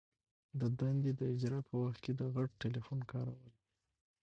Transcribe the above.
د دندي د اجرا په وخت کي د غټ ټلیفون کارول.